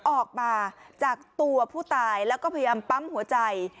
ออกมาจากตัวผู้ตายแล้วก็พยายามปั๊มหัวใจ